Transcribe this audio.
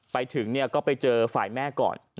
ไปถึงก็ไปเจอฝ่ายแม่ก่อน